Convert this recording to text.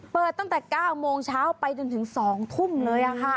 ตั้งแต่๙โมงเช้าไปจนถึง๒ทุ่มเลยค่ะ